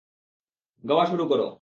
গাওয়া শুরু করো!